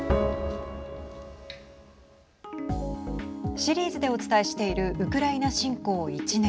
シリーズでお伝えしているウクライナ侵攻１年。